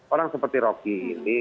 orang seperti rocky ini